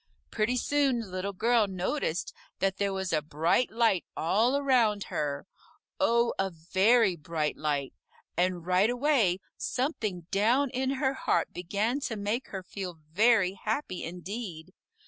Pretty soon Little Girl noticed that there was a bright light all around her oh, a very bright light and right away something down in her heart began to make her feel very happy indeed.